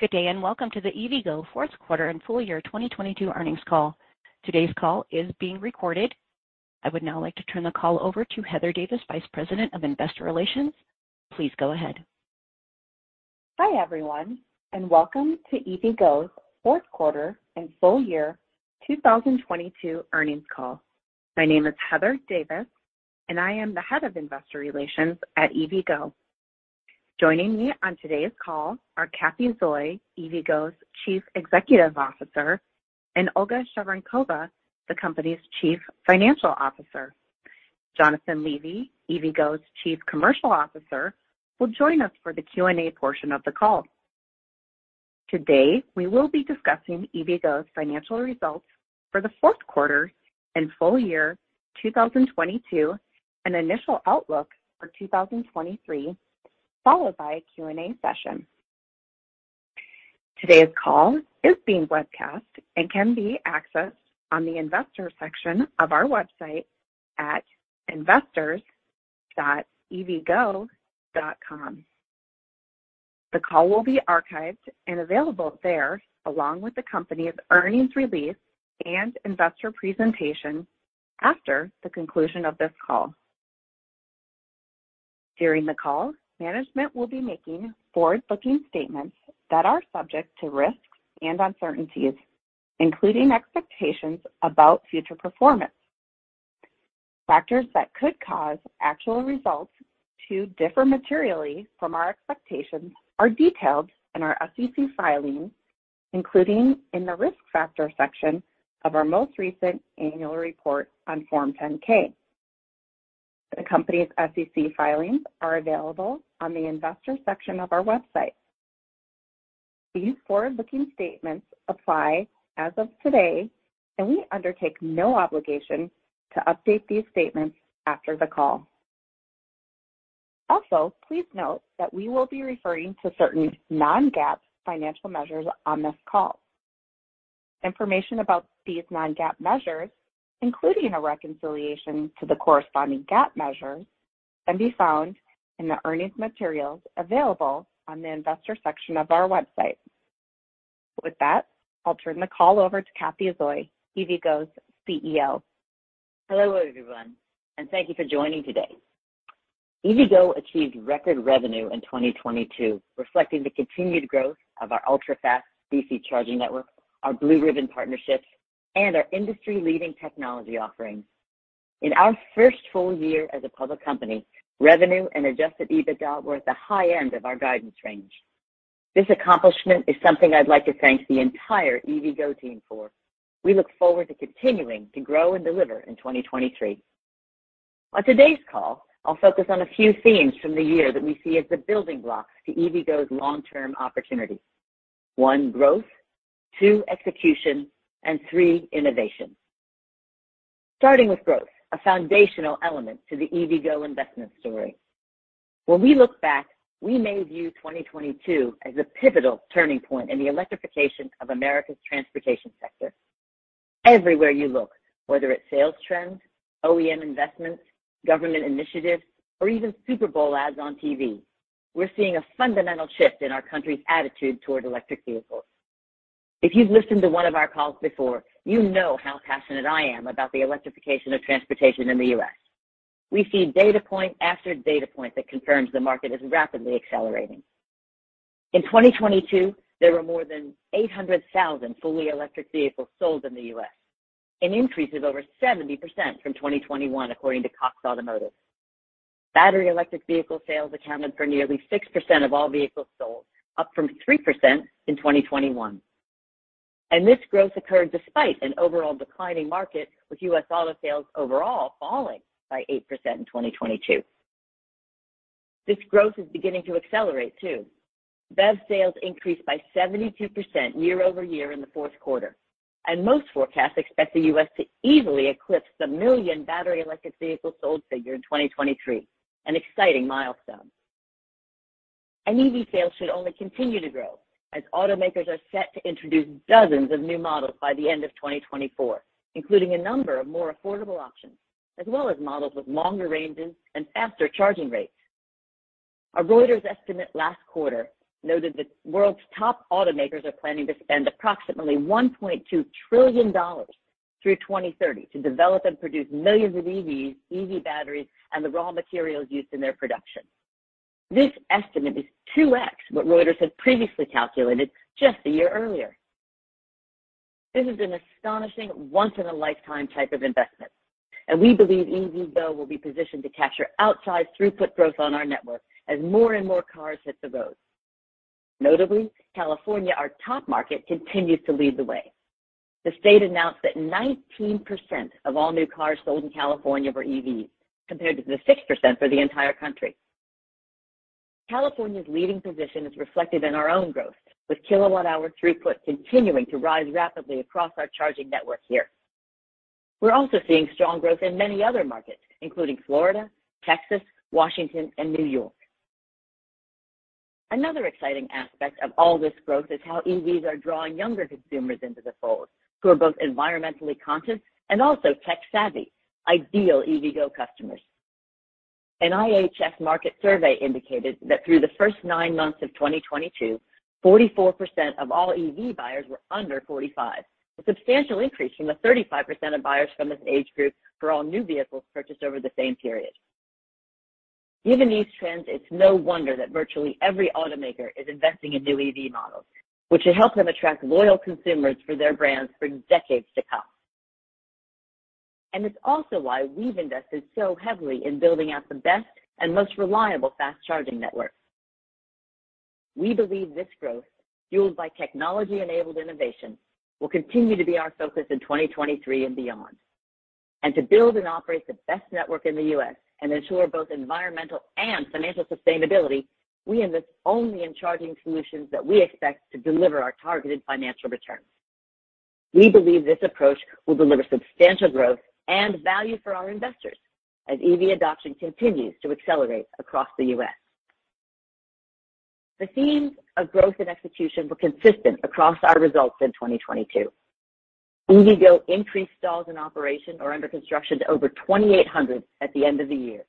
Good day, and welcome to the EVgo 4th quarter and full year 2022 earnings call. Today's call is being recorded. I would now like to turn the call over to Heather Davis, Vice President of Investor Relations. Please go ahead. Hi, everyone, welcome to EVgo's fourth quarter and full year 2022 earnings call. My name is Heather Davis I am the Head of Investor Relations at EVgo. Joining me on today's call are Cathy Zoi, EVgo's Chief Executive Officer, Olga Shevorenkova, the company's Chief Financial Officer. Jonathan Levy, EVgo's Chief Commercial Officer, will join us for the Q&A portion of the call. Today, we will be discussing EVgo's financial results for the fourth quarter and full year 2022, an initial outlook for 2023, followed by a Q&A session. Today's call is being webcast can be accessed on the investor section of our website at investors.evgo.com. The call will be archived available there along with the company's earnings release and investor presentation after the conclusion of this call. During the call, management will be making forward-looking statements that are subject to risks and uncertainties, including expectations about future performance. Factors that could cause actual results to differ materially from our expectations are detailed in our SEC filings, including in the Risk Factor section of our most recent annual report on Form 10-K. The company's SEC filings are available on the investor section of our website. These forward-looking statements apply as of today, and we undertake no obligation to update these statements after the call. Also, please note that we will be referring to certain non-GAAP financial measures on this call. Information about these non-GAAP measures, including a reconciliation to the corresponding GAAP measures, can be found in the earnings materials available on the investor section of our website. With that, I'll turn the call over to Cathy Zoi, EVgo's CEO. Hello, everyone, thank you for joining today. EVgo achieved record revenue in 2022, reflecting the continued growth of our ultra-fast DC charging network, our blue-ribbon partnerships, and our industry-leading technology offerings. In our first full year as a public company, revenue and adjusted EBITDA were at the high end of our guidance range. This accomplishment is something I'd like to thank the entire EVgo team for. We look forward to continuing to grow and deliver in 2023. On today's call, I'll focus on a few themes from the year that we see as the building blocks to EVgo's long-term opportunity. One, growth. Two, execution. Three, innovation. Starting with growth, a foundational element to the EVgo investment story. When we look back, we may view 2022 as a pivotal turning point in the electrification of America's transportation sector. Everywhere you look, whether it's sales trends, OEM investments, government initiatives, or even Super Bowl ads on TV, we're seeing a fundamental shift in our country's attitude toward electric vehicles. If you've listened to one of our calls before, you know how passionate I am about the electrification of transportation in the U.S. We see data point after data point that confirms the market is rapidly accelerating. In 2022, there were more than 800,000 fully electric vehicles sold in the U.S., an increase of over 70% from 2021 according to Cox Automotive. Battery electric vehicle sales accounted for nearly 6% of all vehicles sold, up from 3% in 2021. This growth occurred despite an overall declining market, with U.S. auto sales overall falling by 8% in 2022. This growth is beginning to accelerate, too. BEV sales increased by 72% year-over-year in the fourth quarter, most forecasts expect the U.S. to easily eclipse the 1 million battery electric vehicles sold figure in 2023, an exciting milestone. EV sales should only continue to grow as automakers are set to introduce dozens of new models by the end of 2024, including a number of more affordable options, as well as models with longer ranges and faster charging rates. A Reuters estimate last quarter noted the world's top automakers are planning to spend approximately $1.2 trillion through 2030 to develop and produce millions of EVs, EV batteries, and the raw materials used in their production. This estimate is 2x what Reuters had previously calculated just a year earlier. This is an astonishing once-in-a-lifetime type of investment. We believe EVgo will be positioned to capture outsized throughput growth on our network as more and more cars hit the road. Notably, California, our top market, continues to lead the way. The state announced that 19% of all new cars sold in California were EVs, compared to the 6% for the entire country. California's leading position is reflected in our own growth, with kilowatt-hour throughput continuing to rise rapidly across our charging network here. We're also seeing strong growth in many other markets, including Florida, Texas, Washington, and New York. Another exciting aspect of all this growth is how EVs are drawing younger consumers into the fold who are both environmentally conscious and also tech-savvy, ideal EVgo customers. An IHS Markit survey indicated that through the first nine months of 2022, 44% of all EV buyers were under 45, a substantial increase from the 35% of buyers from this age group for all new vehicles purchased over the same period. Given these trends, it's no wonder that virtually every automaker is investing in new EV models, which should help them attract loyal consumers for their brands for decades to come. It's also why we've invested so heavily in building out the best and most reliable fast charging network. We believe this growth, fueled by technology-enabled innovation, will continue to be our focus in 2023 and beyond. To build and operate the best network in the U.S. and ensure both environmental and financial sustainability, we invest only in charging solutions that we expect to deliver our targeted financial returns. We believe this approach will deliver substantial growth and value for our investors as EV adoption continues to accelerate across the U.S. The themes of growth and execution were consistent across our results in 2022. EVgo increased stalls in operation or under construction to over 2,800 at the end of the year,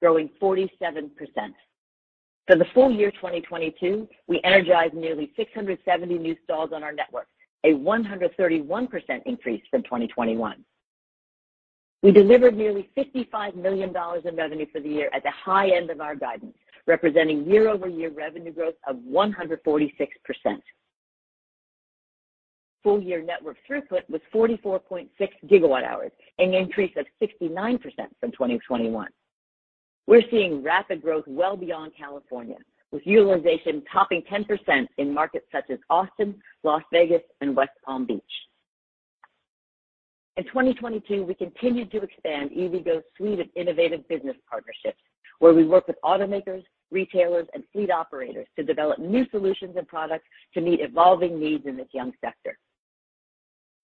growing 47%. For the full year 2022, we energized nearly 670 new stalls on our network, a 131% increase from 2021. We delivered nearly $55 million in revenue for the year at the high end of our guidance, representing year-over-year revenue growth of 146%. Full year network throughput was 44.6 gigawatt hours, an increase of 69% from 2021. We're seeing rapid growth well beyond California, with utilization topping 10% in markets such as Austin, Las Vegas, and West Palm Beach. In 2022, we continued to expand EVgo's suite of innovative business partnerships, where we work with automakers, retailers, and fleet operators to develop new solutions and products to meet evolving needs in this young sector.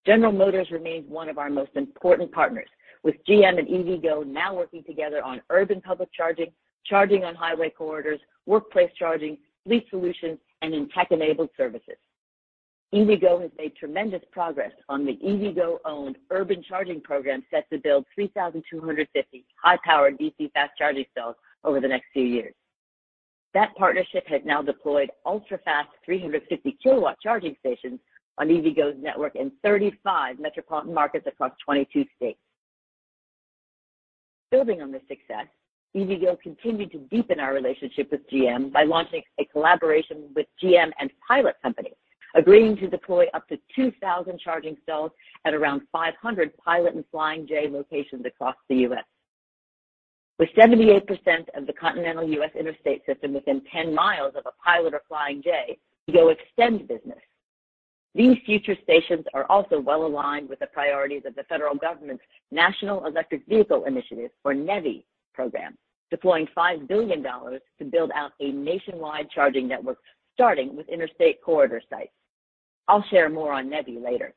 General Motors remains one of our most important partners, with GM and EVgo now working together on urban public charging on highway corridors, workplace charging, fleet solutions, and in tech-enabled services. EVgo has made tremendous progress on the EVgo-owned urban charging program set to build 3,250 high-powered DC fast charging stalls over the next few years. That partnership has now deployed ultra-fast 350 kilowatt charging stations on EVgo's network in 35 metropolitan markets across 22 states. Building on this success, EVgo continued to deepen our relationship with GM by launching a collaboration with GM and Pilot Company, agreeing to deploy up to 2,000 charging stalls at around 500 Pilot and Flying J locations across the U.S. With 78% of the continental U.S. interstate system within 10 miles of a Pilot or Flying J EVgo eXtend business. These future stations are also well aligned with the priorities of the federal government's National Electric Vehicle Infrastructure, or NEVI, program, deploying $5 billion to build out a nationwide charging network starting with interstate corridor sites. I'll share more on NEVI later.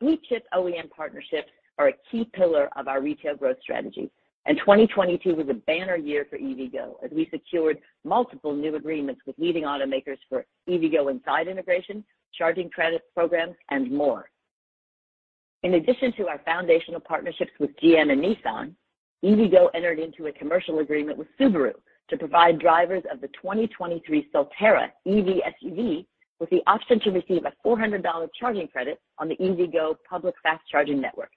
Blue chip OEM partnerships are a key pillar of our retail growth strategy. 2022 was a banner year for EVgo as we secured multiple new agreements with leading automakers for EVgo Inside integration, charging credit programs, and more. In addition to our foundational partnerships with GM and Nissan, EVgo entered into a commercial agreement with Subaru to provide drivers of the 2023 Solterra EV SUV with the option to receive a $400 charging credit on the EVgo public fast charging network.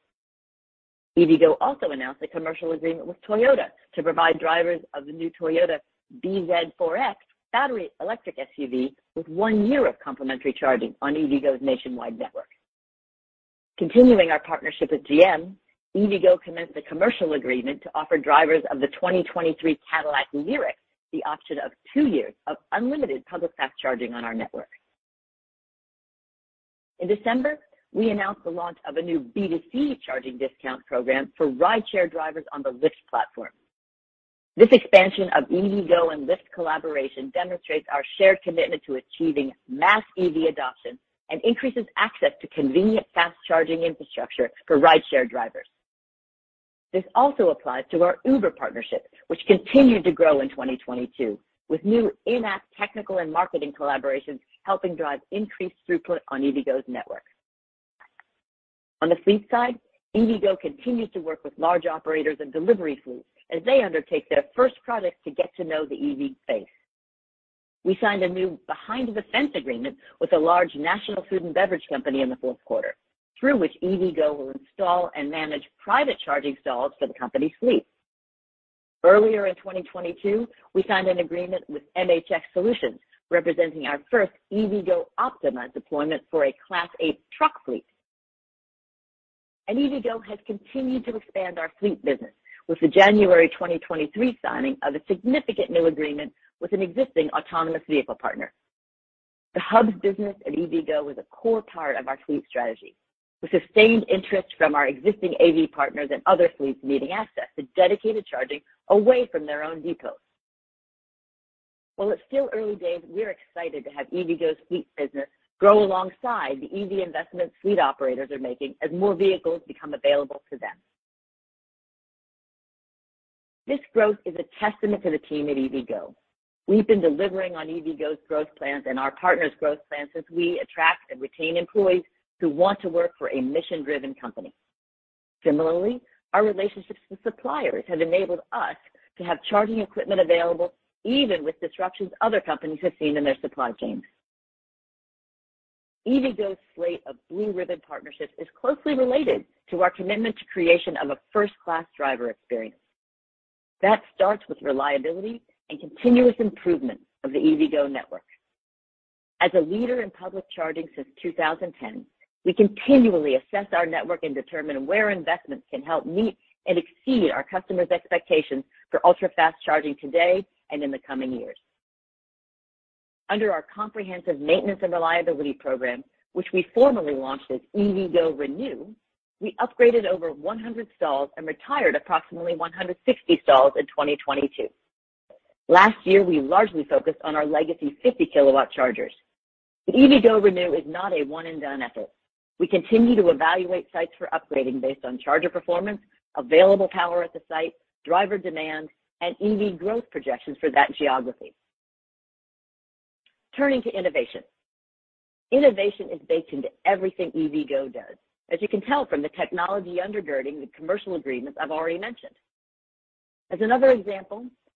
EVgo also announced a commercial agreement with Toyota to provide drivers of the new Toyota bZ4X battery electric SUV with 1 year of complimentary charging on EVgo's nationwide network. Continuing our partnership with GM, EVgo commenced a commercial agreement to offer drivers of the 2023 Cadillac LYRIQ the option of 2 years of unlimited public fast charging on our network. In December, we announced the launch of a new B2C charging discount program for rideshare drivers on the Lyft platform. This expansion of EVgo and Lyft collaboration demonstrates our shared commitment to achieving mass EV adoption and increases access to convenient fast charging infrastructure for rideshare drivers. This also applies to our Uber partnership, which continued to grow in 2022, with new in-app technical and marketing collaborations helping drive increased throughput on EVgo's network. On the fleet side, EVgo continues to work with large operators and delivery fleets as they undertake their first products to get to know the EV space. We signed a new behind-the-fence agreement with a large national food and beverage company in the fourth quarter, through which EVgo will install and manage private charging stalls for the company's fleet. Earlier in 2022, we signed an agreement with MHX Solutions, representing our first EVgo Optima deployment for a Class A truck fleet. EVgo has continued to expand our fleet business with the January 2023 signing of a significant new agreement with an existing autonomous vehicle partner. The hubs business at EVgo is a core part of our fleet strategy, with sustained interest from our existing AV partners and other fleets needing access to dedicated charging away from their own depots. While it's still early days, we're excited to have EVgo's fleet business grow alongside the EV investment fleet operators are making as more vehicles become available to them. This growth is a testament to the team at EVgo. We've been delivering on EVgo's growth plans and our partners' growth plans as we attract and retain employees who want to work for a mission-driven company. Similarly, our relationships with suppliers have enabled us to have charging equipment available even with disruptions other companies have seen in their supply chains. EVgo's slate of blue ribbon partnerships is closely related to our commitment to creation of a first-class driver experience. That starts with reliability and continuous improvement of the EVgo network. As a leader in public charging since 2010, we continually assess our network and determine where investments can help meet and exceed our customers' expectations for ultra-fast charging today and in the coming years. Under our comprehensive maintenance and reliability program, which we formally launched as EVgo ReNew, we upgraded over 100 stalls and retired approximately 160 stalls in 2022. Last year, we largely focused on our legacy 50 kW chargers. EVgo ReNew is not a one and done effort. We continue to evaluate sites for upgrading based on charger performance, available power at the site, driver demand, and EV growth projections for that geography. Turning to innovation. Innovation is baked into everything EVgo does, as you can tell from the technology undergirding the commercial agreements I've already mentioned.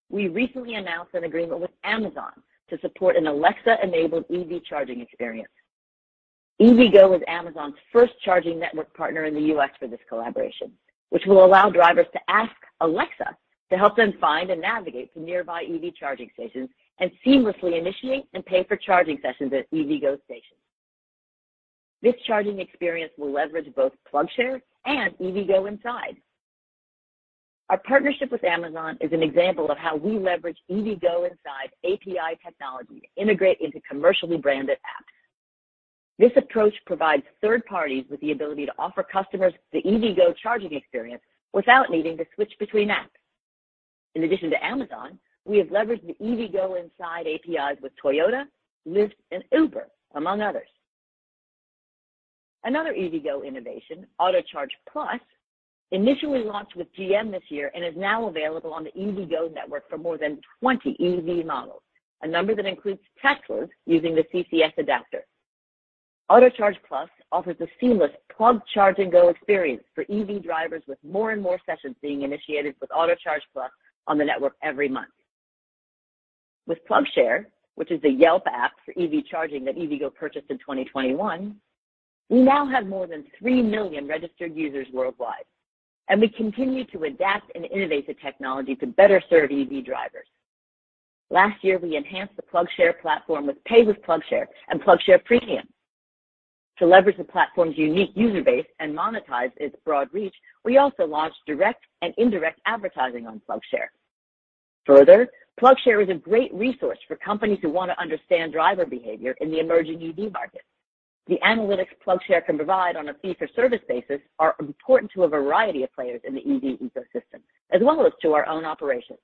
We recently announced an agreement with Amazon to support an Alexa-enabled EV charging experience. EVgo is Amazon's first charging network partner in the U.S. for this collaboration, which will allow drivers to ask Alexa to help them find and navigate to nearby EV charging stations and seamlessly initiate and pay for charging sessions at EVgo stations. This charging experience will leverage both PlugShare and EVgo Inside. Our partnership with Amazon is an example of how we leverage EVgo Inside API technology to integrate into commercially branded apps. This approach provides third parties with the ability to offer customers the EVgo charging experience without needing to switch between apps. Addition to Amazon, we have leveraged the EVgo Inside APIs with Toyota, Lyft, and Uber, among others. Another EVgo innovation, AutoCharge+, initially launched with GM this year and is now available on the EVgo network for more than 20 EV models, a number that includes Teslas using the CCS adapter. AutoCharge+ offers a seamless plug, charge, and go experience for EV drivers with more and more sessions being initiated with AutoCharge+ on the network every month. PlugShare, which is the Yelp app for EV charging that EVgo purchased in 2021, we now have more than 3 million registered users worldwide, and we continue to adapt and innovate the technology to better serve EV drivers. Last year, we enhanced the PlugShare platform with Pay with PlugShare and PlugShare Premium. To leverage the platform's unique user base and monetize its broad reach, we also launched direct and indirect advertising on PlugShare. Further, PlugShare is a great resource for companies who want to understand driver behavior in the emerging EV market. The analytics PlugShare can provide on a fee-for-service basis are important to a variety of players in the EV ecosystem, as well as to our own operations.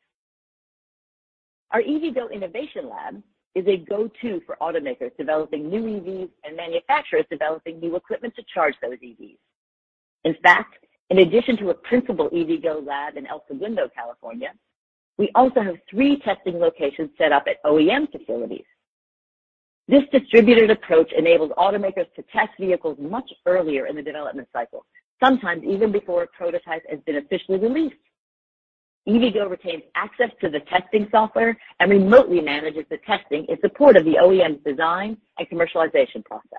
Our EVgo innovation lab is a go-to for automakers developing new EVs and manufacturers developing new equipment to charge those EVs. In fact, in addition to a principal EVgo lab in El Segundo, California, we also have three testing locations set up at OEM facilities. This distributed approach enables automakers to test vehicles much earlier in the development cycle, sometimes even before a prototype has been officially released. EVgo retains access to the testing software and remotely manages the testing in support of the OEM design and commercialization process.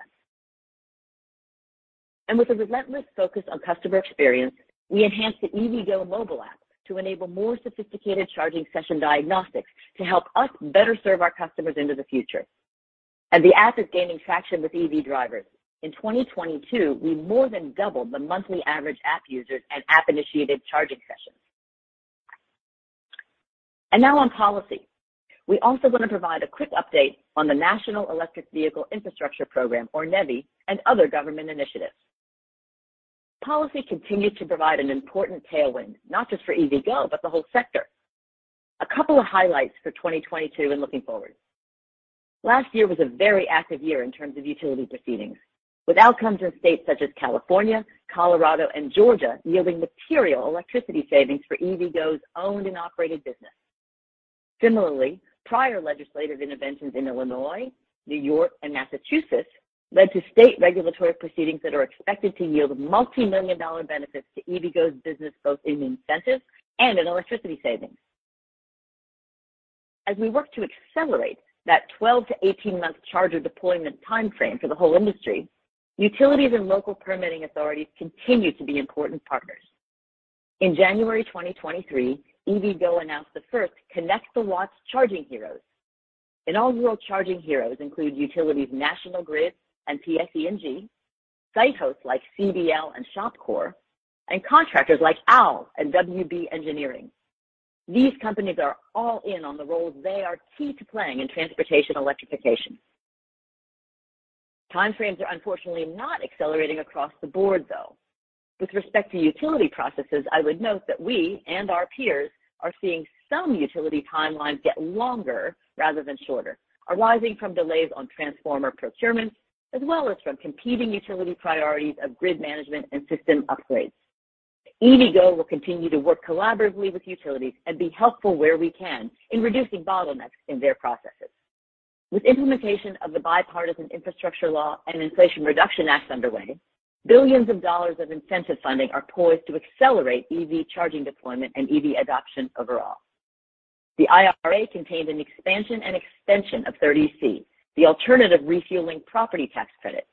With a relentless focus on customer experience, we enhanced the EVgo mobile app to enable more sophisticated charging session diagnostics to help us better serve our customers into the future. The app is gaining traction with EV drivers. In 2022, we more than doubled the monthly average app users and app-initiated charging sessions. Now on policy. We also want to provide a quick update on the National Electric Vehicle Infrastructure Program, or NEVI, and other government initiatives. Policy continues to provide an important tailwind, not just for EVgo, but the whole sector. A couple of highlights for 2022 and looking forward. Last year was a very active year in terms of utility proceedings, with outcomes in states such as California, Colorado, and Georgia yielding material electricity savings for EVgo's owned and operated business. Similarly, prior legislative interventions in Illinois, New York, and Massachusetts led to state regulatory proceedings that are expected to yield multimillion-dollar benefits to EVgo's business, both in incentives and in electricity savings. As we work to accelerate that 12-18 month charger deployment timeframe for the whole industry, utilities and local permitting authorities continue to be important partners. In January 2023, EVgo announced the first Connect the Watts Charging Heroes. All-world Charging Heroes include utilities National Grid and PSEG, site hosts like CBL and ShopCore, and contractors like OWL and WB Engineers. These companies are all in on the roles they are key to playing in transportation electrification. Timeframes are unfortunately not accelerating across the board, though. With respect to utility processes, I would note that we and our peers are seeing some utility timelines get longer rather than shorter, arising from delays on transformer procurement as well as from competing utility priorities of grid management and system upgrades. EVgo will continue to work collaboratively with utilities and be helpful where we can in reducing bottlenecks in their processes. With implementation of the Bipartisan Infrastructure Law and Inflation Reduction Act underway, billions of dollars of incentive funding are poised to accelerate EV charging deployment and EV adoption overall. The IRA contains an expansion and extension of 30C, the Alternative Fuel Vehicle Refueling Property Credit.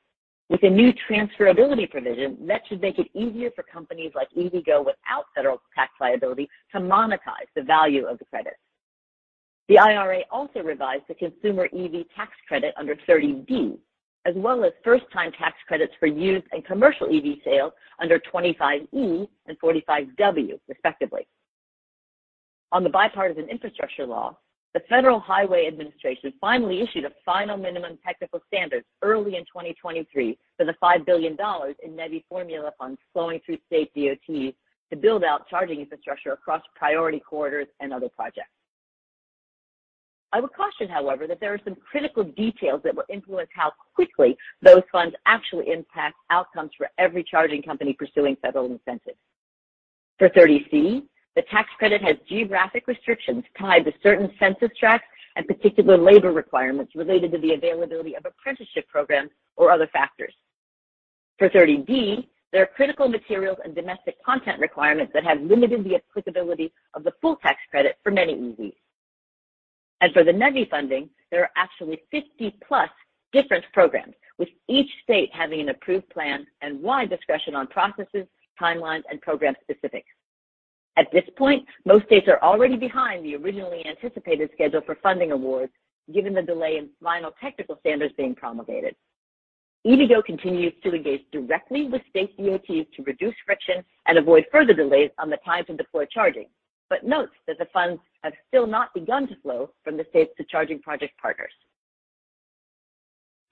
With a new transferability provision that should make it easier for companies like EVgo without federal tax liability to monetize the value of the credit. The IRA also revised the consumer EV tax credit under 30D, as well as first-time tax credits for used and commercial EV sales under 25E and 45W, respectively. On the Bipartisan Infrastructure Law, the Federal Highway Administration finally issued a final minimum technical standard early in 2023 for the $5 billion in NEVI formula funds flowing through state DOTs to build out charging infrastructure across priority corridors and other projects. I would caution, however, that there are some critical details that will influence how quickly those funds actually impact outcomes for every charging company pursuing federal incentives. For 30C, the tax credit has geographic restrictions tied to certain census tracts and particular labor requirements related to the availability of apprenticeship programs or other factors. For 30D, there are critical materials and domestic content requirements that have limited the applicability of the full tax credit for many EVs. For the NEVI funding, there are actually 50-plus different programs, with each state having an approved plan and wide discretion on processes, timelines, and program specifics. At this point, most states are already behind the originally anticipated schedule for funding awards, given the delay in final technical standards being promulgated. EVgo continues to engage directly with state DOTs to reduce friction and avoid further delays on the time to deploy charging, notes that the funds have still not begun to flow from the states to charging project partners.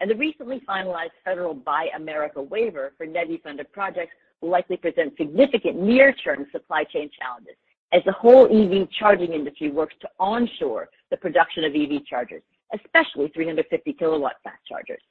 The recently finalized federal Buy America waiver for NEVI-funded projects will likely present significant near-term supply chain challenges as the whole EV charging industry works to onshore the production of EV chargers, especially 350 kilowatt fast chargers.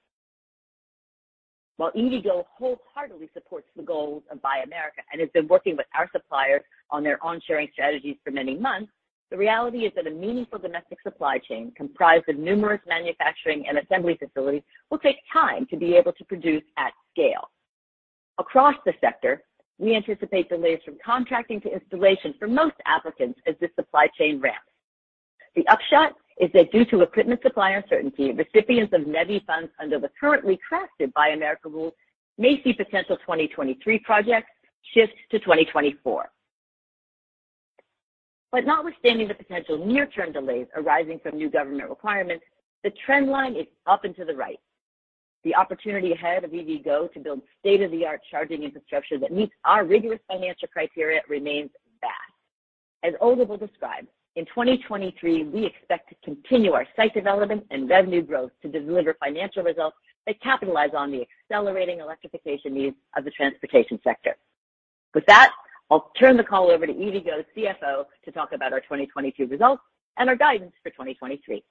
While EVgo wholeheartedly supports the goals of Buy America and has been working with our suppliers on their onshoring strategies for many months, the reality is that a meaningful domestic supply chain comprised of numerous manufacturing and assembly facilities will take time to be able to produce at scale. Across the sector, we anticipate delays from contracting to installation for most applicants as the supply chain ramps. The upshot is that due to equipment supply uncertainty, recipients of NEVI funds under the currently crafted Buy America rules may see potential 2023 projects shift to 2024. Notwithstanding the potential near-term delays arising from new government requirements, the trend line is up and to the right. The opportunity ahead of EVgo to build state-of-the-art charging infrastructure that meets our rigorous financial criteria remains vast. As Olga will describe, in 2023, we expect to continue our site development and revenue growth to deliver financial results that capitalize on the accelerating electrification needs of the transportation sector. With that, I'll turn the call over to EVgo's CFO to talk about our 2022 results and our guidance for 2023.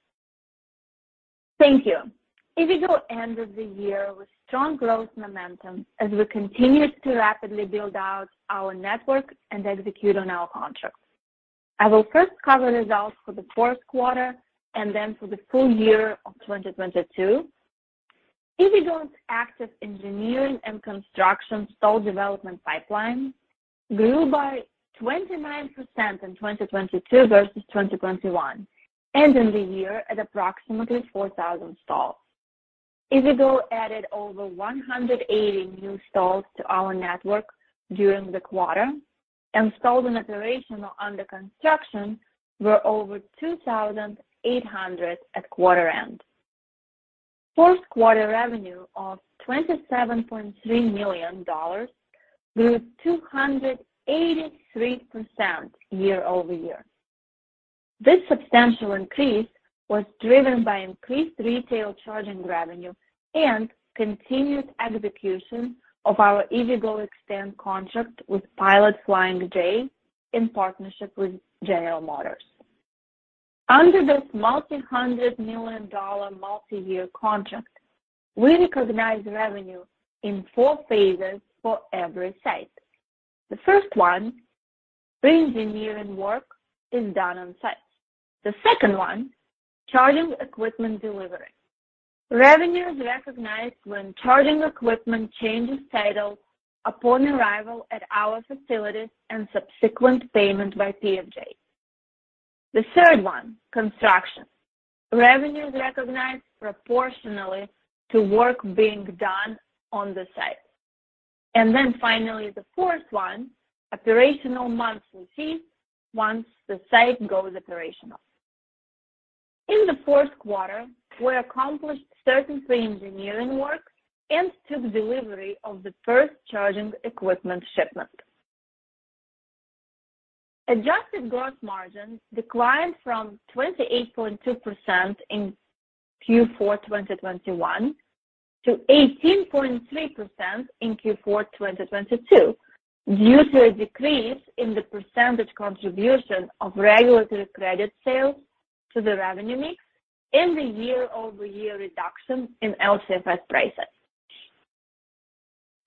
Thank you. EVgo end of the year with strong growth momentum as we continued to rapidly build out our network and execute on our contracts. I will first cover results for the fourth quarter and then for the full year of 2022. EVgo's active engineering and construction stall development pipeline grew by 29% in 2022 versus 2021, ending the year at approximately 4,000 stalls. EVgo added over 180 new stalls to our network during the quarter, and stalls in operation or under construction were over 2,800 at quarter end. Fourth quarter revenue of $27.3 million grew 283% year-over-year. This substantial increase was driven by increased retail charging revenue and continued execution of our EVgo eXtend contract with Pilot Flying J in partnership with General Motors. Under this multi-hundred million dollar multiyear contract, we recognize revenue in four phases for every site. The first one, pre-engineering work is done on site. The second one, charging equipment delivery. Revenue is recognized when charging equipment changes title upon arrival at our facilities and subsequent payment by PFJ. The third one, construction. Revenue is recognized proportionally to work being done on the site. Finally, the fourth one, operational monthly fees once the site goes operational. In the fourth quarter, we accomplished certain pre-engineering work and took delivery of the first charging equipment shipment. Adjusted gross margin declined from 28.2% in Q4 2021 to 18.3% in Q4 2022 due to a decrease in the percentage contribution of regulatory credit sales to the revenue mix and the year-over-year reduction in LCFS prices.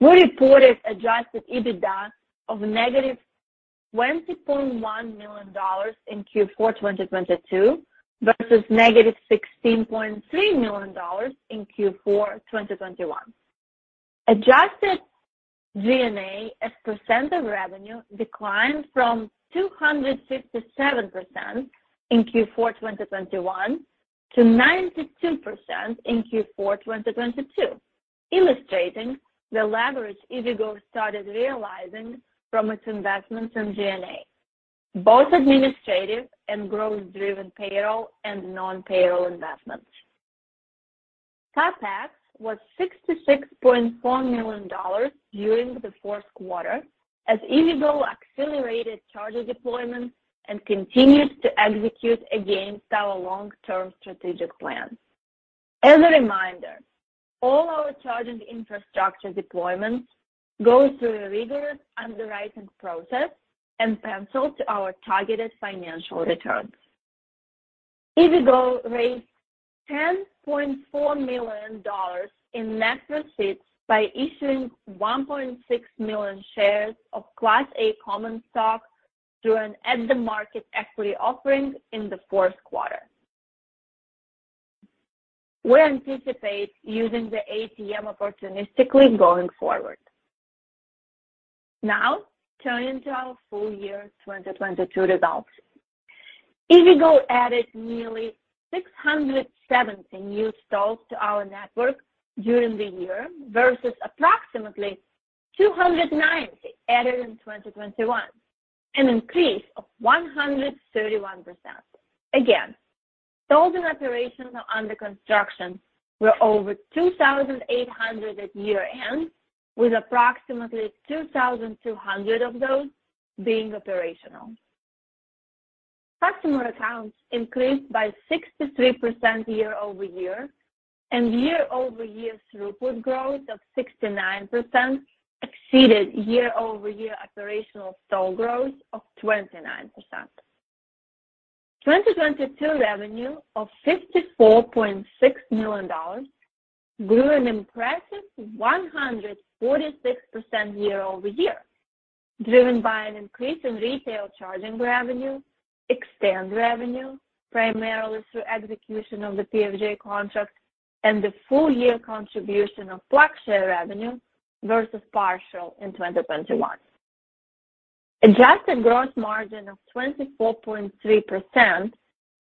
We reported adjusted EBITDA of negative $20.1 million in Q4 2022 versus negative $16.3 million in Q4 2021. Adjusted G&A as % of revenue declined from 257% in Q4 2021 to 92% in Q4 2022, illustrating the leverage EVgo started realizing from its investments in G&A, both administrative and growth-driven payroll and non-payroll investments. CapEx was $66.4 million during the fourth quarter as EVgo accelerated charger deployments and continues to execute against our long-term strategic plan. As a reminder, all our charging infrastructure deployments go through a rigorous underwriting process and pencil to our targeted financial returns. EVgo raised $10.4 million in net proceeds by issuing 1.6 million shares of Class A common stock through an at the market equity offering in the fourth quarter. We anticipate using the ATM opportunistically going forward. Turning to our full year 2022 results. EVgo added nearly 670 new stalls to our network during the year versus approximately 290 added in 2021, an increase of 131%. Stalls in operations or under construction were over 2,800 at year-end, with approximately 2,200 of those being operational. Customer accounts increased by 63% year-over-year, and year-over-year throughput growth of 69% exceeded year-over-year operational stall growth of 29%. 2022 revenue of $54.6 million grew an impressive 146% year-over-year, driven by an increase in retail charging revenue, eXtend revenue, primarily through execution of the PFJ contract, and the full year contribution of PlugShare revenue versus partial in 2021. Adjusted gross margin of 24.3%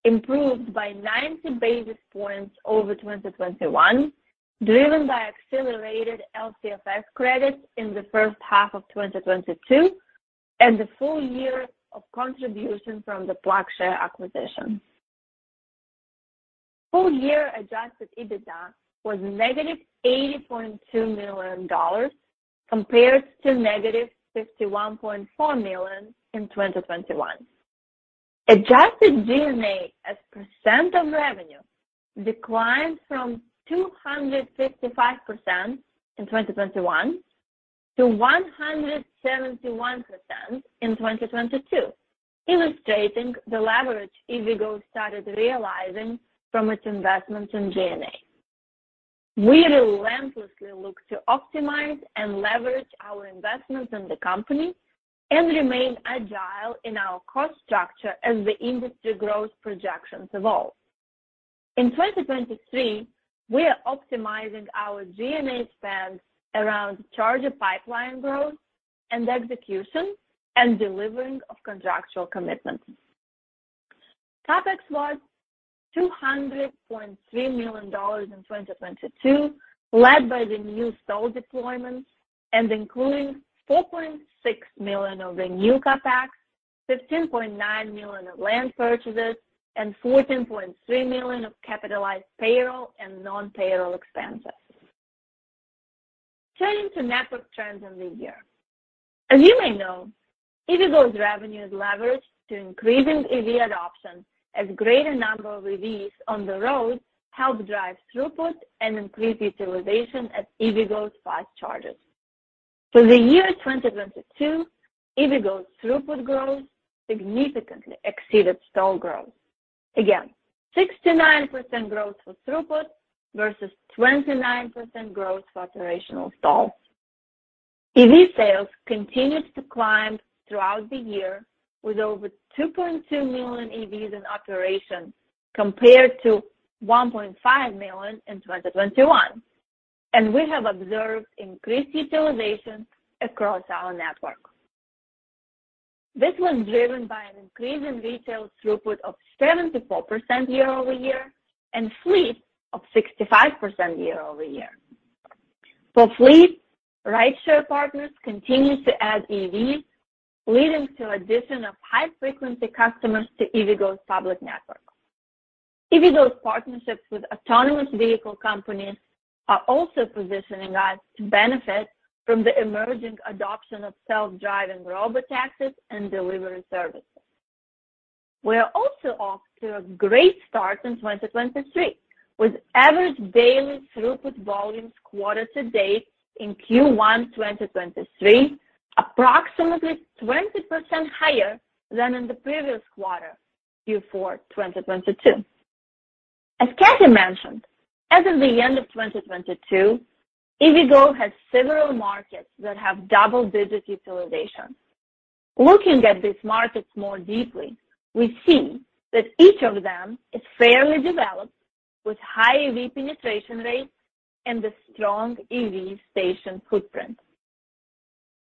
improved by 90 basis points over 2021, driven by accelerated LCFS credits in the first half of 2022 and the full year of contribution from the PlugShare acquisition. Full year adjusted EBITDA was negative $80.2 million compared to negative $51.4 million in 2021. Adjusted G&A as % of revenue declined from 255% in 2021 to 171% in 2022, illustrating the leverage EVgo started realizing from its investments in G&A. We relentlessly look to optimize and leverage our investments in the company and remain agile in our cost structure as the industry growth projections evolve. In 2023, we are optimizing our G&A spend around charger pipeline growth and execution and delivering of contractual commitments. CapEx was $200.3 million in 2022, led by the new stall deployments and including $4.6 million of the new CapEx, $15.9 million of land purchases, and $14.3 million of capitalized payroll and non-payroll expenses. Turning to network trends in the year. As you may know, EVgo's revenue is leveraged to increasing EV adoption as greater number of EVs on the road help drive throughput and increase utilization at EVgo's fast chargers. For the year 2022, EVgo's throughput growth significantly exceeded stall growth. Again, 69% growth for throughput versus 29% growth for operational stalls. EV sales continued to climb throughout the year with over 2.2 million EVs in operation compared to 1.5 million in 2021, and we have observed increased utilization across our network. This was driven by an increase in retail throughput of 74% year-over-year and fleet of 65% year-over-year. For fleet, rideshare partners continued to add EVs, leading to addition of high-frequency customers to EVgo's public network. EVgo's partnerships with autonomous vehicle companies are also positioning us to benefit from the emerging adoption of self-driving robotaxis and delivery services. We are also off to a great start in 2023, with average daily throughput volumes quarter to date in Q1 2023approximately 20% higher than in the previous quarter, Q4, 2022. As Cathy mentioned, as of the end of 2022, EVgo has several markets that have double-digit utilization. Looking at these markets more deeply, we see that each of them is fairly developed with high EV penetration rates and a strong EV station footprint.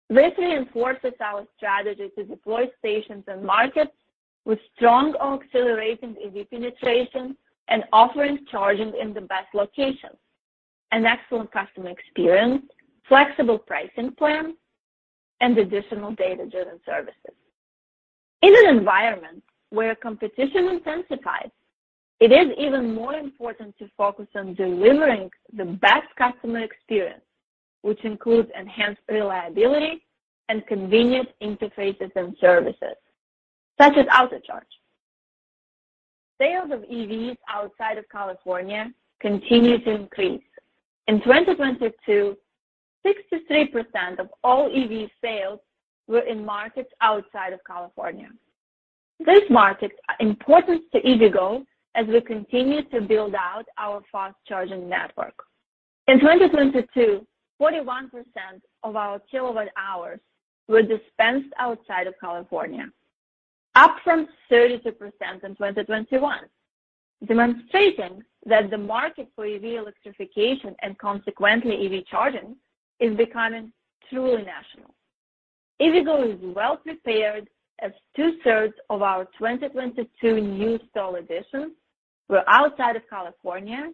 This reinforces our strategy to deploy stations and markets with strong accelerating EV penetration and offering charging in the best locations, an excellent customer experience, flexible pricing plan, and additional data-driven services. In an environment where competition intensifies, it is even more important to focus on delivering the best customer experience, which includes enhanced reliability and convenient interfaces and services, such as AutoCharge+. Sales of EVs outside of California continue to increase. In 2022, 63% of all EV sales were in markets outside of California. These markets are important to EVgo as we continue to build out our fast charging network. In 2022, 41% of our kilowatt hours were dispensed outside of California, up from 32% in 2021, demonstrating that the market for EV electrification and consequently EV charging is becoming truly national. EVgo is well prepared as two-thirds of our 2022 new stall additions were outside of California,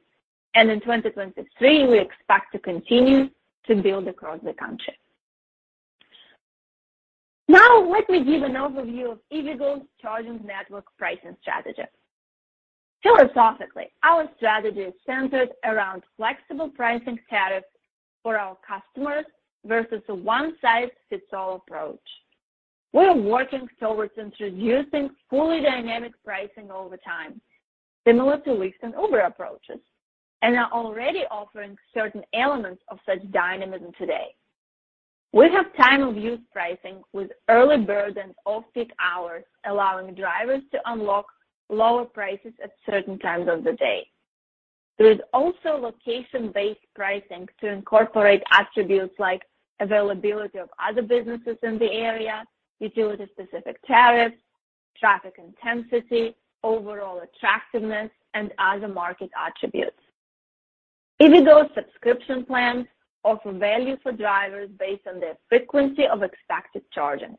and in 2023 we expect to continue to build across the country. Let me give an overview of EVgo's charging network pricing strategy. Philosophically, our strategy is centered around flexible pricing tariffs for our customers versus a one-size-fits-all approach. We are working towards introducing fully dynamic pricing over time, similar to Lyft and Uber approaches, and are already offering certain elements of such dynamism today. We have time of use pricing with early bird and off-peak hours, allowing drivers to unlock lower prices at certain times of the day. There is also location-based pricing to incorporate attributes like availability of other businesses in the area, utility-specific tariffs, traffic intensity, overall attractiveness, and other market attributes. EVgo subscription plans offer value for drivers based on their frequency of expected charging.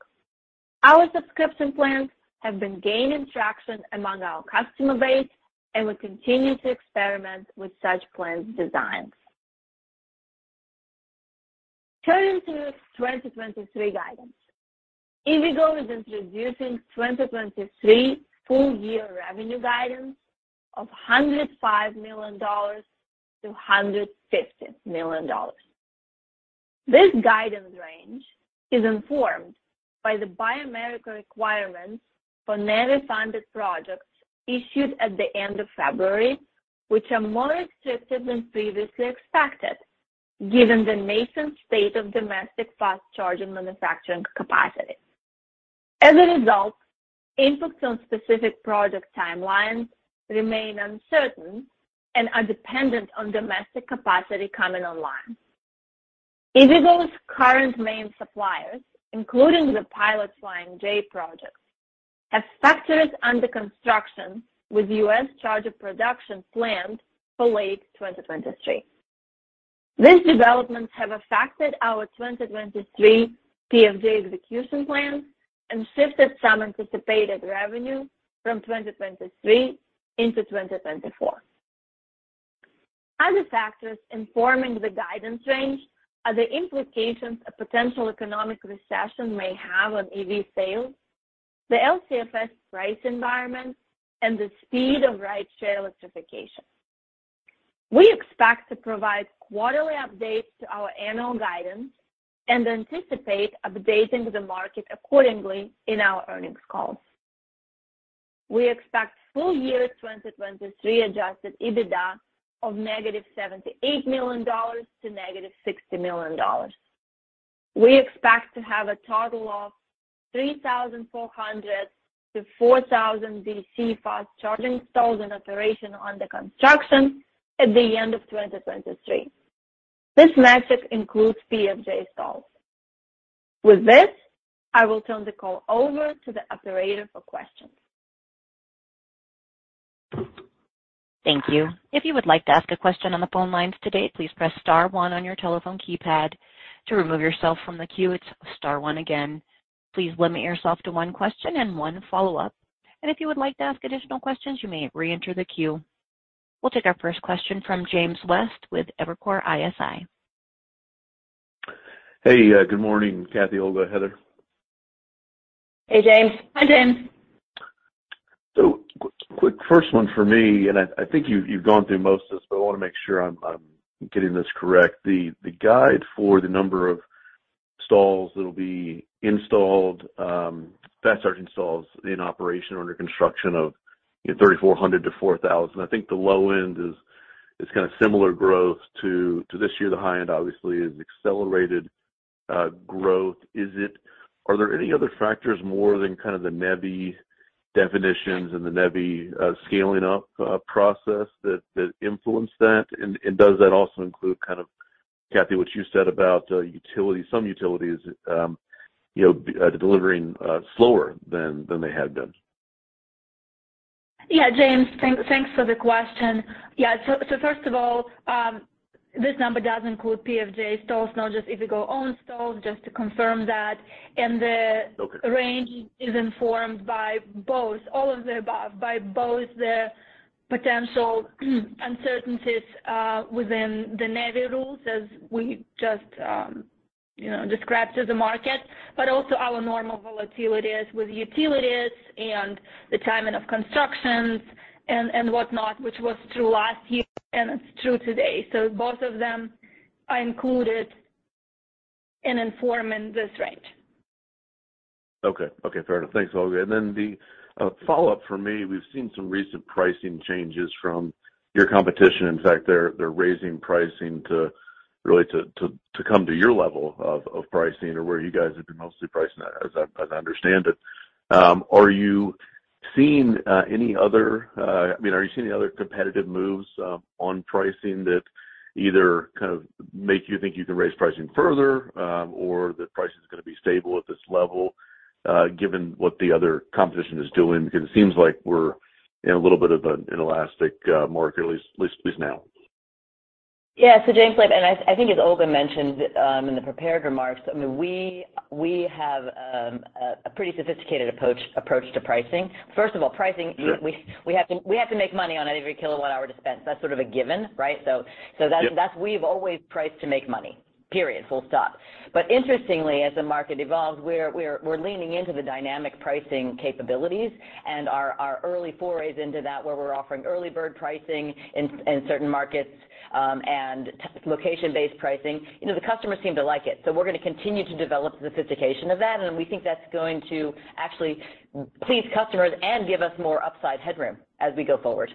Our subscription plans have been gaining traction among our customer base. We continue to experiment with such plans designs. Turning to 2023 guidance. EVgo is introducing 2023 full year revenue guidance of $105 million to $150 million. This guidance range is informed by the Buy America requirements for NEVI-funded projects issued at the end of February, which are more restrictive than previously expected, given the nascent state of domestic fast charging manufacturing capacity. As a result, inputs on specific product timelines remain uncertain and are dependent on domestic capacity coming online. EVgo's current main suppliers, including the Pilot Flying J project, have factories under construction with U.S. charger production planned for late 2023. These developments have affected our 2023 PFJ execution plans and shifted some anticipated revenue from 2023 into 2024. Other factors informing the guidance range are the implications a potential economic recession may have on EV sales, the LCFS price environment, and the speed of rideshare electrification. We expect to provide quarterly updates to our annual guidance and anticipate updating the market accordingly in our earnings calls. We expect full year 2023 Adjusted EBITDA of negative $78 million to negative $60 million. We expect to have a total of 3,400 to 4,000 DC fast charging stalls in operation under construction at the end of 2023. This metric includes PFJ stalls. With this, I will turn the call over to the operator for questions. Thank you. If you would like to ask a question on the phone lines today, please press star one on your telephone keypad. To remove yourself from the queue, it's star one again. Please limit yourself to one question and one follow-up. If you would like to ask additional questions, you may reenter the queue. We'll take our first question from James West with Evercore ISI. Hey, good morning, Cathy, Olga, Heather. Hey, James. Hi, James. Quick first one for me, I think you've gone through most of this, but I wanna make sure I'm getting this correct. The guide for the number of stalls that'll be installed, fast charging stalls in operation or under construction 3,400 to 4,000. I think the low end is kind of similar growth to this year. The high end obviously is accelerated growth. Are there any other factors more than kind of the NEVI definitions and the NEVI scaling up process that influence that? Does that also include kind of, Cathy, what you said about some utilities, you know, delivering slower than they had been? James, thanks for the question. First of all, this number does include PFJ stalls, not just EVgo own stalls, just to confirm that. The range is informed by both, all of the above, by both the potential uncertainties within the NEVI rules as we just, you know, described to the market, but also our normal volatilities with utilities and the timing of constructions and whatnot, which was true last year and it's true today. Both of them are included in informing this range. Okay. Okay. Fair enough. Thanks, Olga. The follow-up for me, we've seen some recent pricing changes from your competition. In fact, they're raising pricing to really to come to your level of pricing or where you guys have been mostly pricing at, as I understand it. Are you seeing any other, I mean, are you seeing any other competitive moves on pricing that either kind of make you think you can raise pricing further, or that pricing is gonna be stable at this level, given what the other competition is doing? It seems like we're in a little bit of an inelastic market, at least now. James, like and I think as Olga mentioned, in the prepared remarks, I mean, we have a pretty sophisticated approach to pricing. First of all. Sure we have to make money on every kilowatt hour dispensed. That's sort of a given, right? So. Yep. We've always priced to make money, period. Full stop. Interestingly, as the market evolves, we are leaning into the dynamic pricing capabilities and our early forays into that, where we're offering early bird pricing in certain markets, and location-based pricing. You know, the customers seem to like it. We're gonna continue to develop the sophistication of that, and we think that's going to actually please customers and give us more upside headroom as we go forward.